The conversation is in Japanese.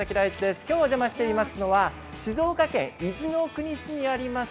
今日お邪魔していますのは静岡県伊豆の国市にあります